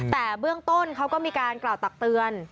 แต่เบื้องต้นเขาก็มีการกล่าวตักเตือน